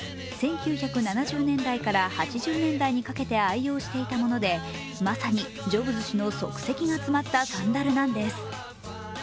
１９７０年代から８０年代にかけて愛用していたものでまさにジョブズ氏の足跡が詰まったサンダルなんです。